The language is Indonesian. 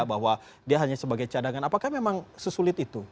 bahwa dia hanya sebagai cadangan apakah memang sesulit itu